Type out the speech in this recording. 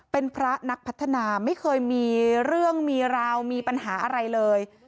เป็นพระนักพัฒนาไม่เคยมีเรื่องมีราวมีปัญหาอะไรเลย